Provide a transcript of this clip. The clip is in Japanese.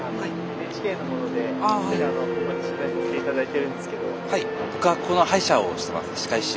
ＮＨＫの者でここで取材させていただいてるんですけど。